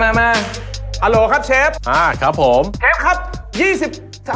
อัลโหลครับเชฟมาครับผมครับเชฟครับ